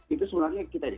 itu sebenarnya kita lihat